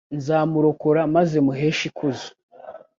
nzamurokora maze nzamuheshe ikuzo